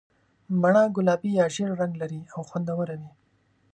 مڼه ګلابي یا ژېړ رنګ لري او خوندوره وي.